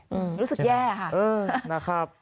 รู้สึกแย่ค่ะนะครับใช่ไหมครับ